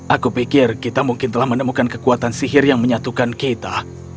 aku pikir kita mungkin telah menemukan kekuatan sihir yang menyatukan kita